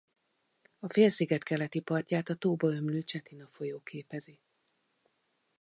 A félsziget keleti partját a tóba ömlő Cetina-folyó képezi.